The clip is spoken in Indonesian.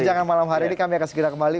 jangan malam hari ini kami akan segera kembali